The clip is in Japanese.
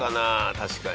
確かに。